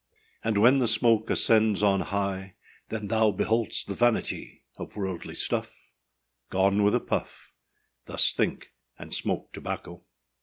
And when the smoke ascends on high, Then thou beholdâst the vanity Of worldly stuff, Gone with a puff: Thus think, and smoke tobacco.